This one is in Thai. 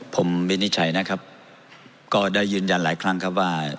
ผมวินิจฉัยนะครับก็ได้ยืนยันหลายครั้งครับว่า